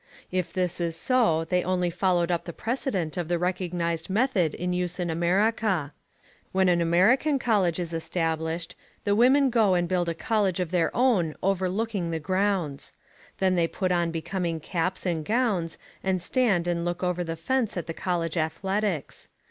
If this is so they only followed up the precedent of the recognised method in use in America. When an American college is established, the women go and build a college of their own overlooking the grounds. Then they put on becoming caps and gowns and stand and look over the fence at the college athletics.